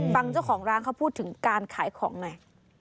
ฟังเจ้าของร้านเขาพูดถึงการขายของหน่อย